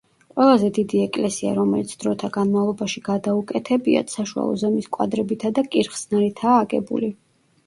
ყველაზე დიდი ეკლესია, რომელიც დროთა განმავლობაში გადაუკეთებიათ, საშუალო ზომის კვადრებითა და კირხსნარითაა აგებული.